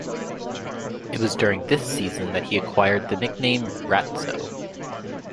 It was during this season that he acquired the nickname "Ratso".